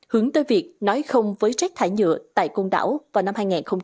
hướng tới việc nói không với rác thải nhựa tại côn đảo vào năm hai nghìn ba mươi